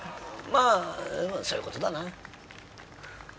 まあそういう事だな。